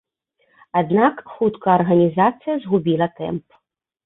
Аднак хутка арганізацыя згубіла тэмп.